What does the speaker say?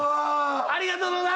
ありがとう野田！